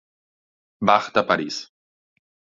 Bach de París.